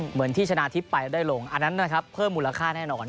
เหมือนที่ชนะทิพย์ไปได้ลงอันนั้นนะครับเพิ่มมูลค่าแน่นอน